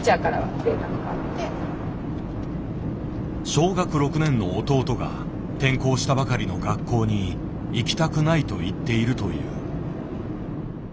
小学６年の弟が転校したばかりの学校に行きたくないと言っているという。